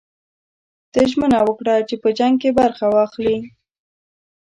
ده ژمنه وکړه چې په جنګ کې برخه واخلي.